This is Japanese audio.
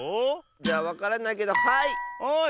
じゃあわからないけどはい！